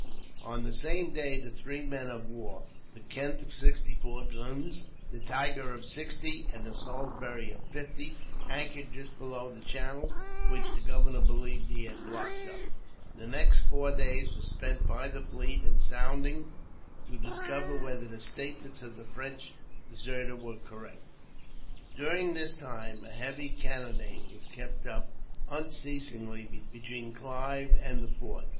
On the same day the three men of war; the Kent of sixty four guns, the Tiger of sixty, and the Salisbury of fifty, anchored just below the channel, which the governor believed he had blocked up. The next four days were spent by the fleet in sounding, to discover whether the statements of the French deserter were correct. During this time, a heavy cannonade was kept up unceasingly between Clive and the fort.